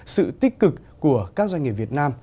sự tích cực của các doanh nghiệp việt nam